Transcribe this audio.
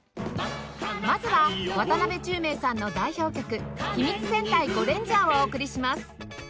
まずは渡辺宙明さんの代表曲『秘密戦隊ゴレンジャー』をお送りします